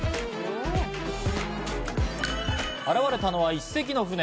現れたのは１隻の船。